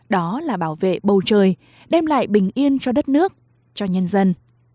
đó là bảo vệ bầu trời đem lại bình yên cho đất nước cho nhân dân